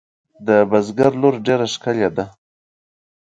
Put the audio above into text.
د بزگر لور ډېره ښکلې ده.